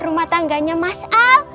rumah tangganya mas al